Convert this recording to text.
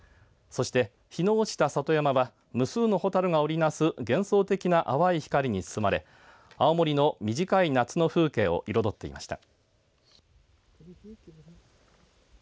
そして、日の落ちた里山は無数のホタルが織りなす幻想的な淡い光に包まれ青森の短い夏の風景を彩っていました。